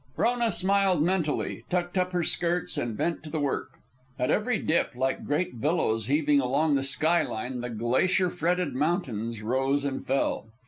Frona smiled mentally, tucked up her skirts, and bent to the work. At every dip, like great billows heaving along the sky line, the glacier fretted mountains rose and fell.